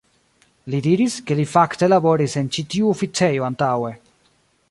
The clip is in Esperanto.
Li diris, ke li fakte laboris en ĉi tiu oficejo antaŭe.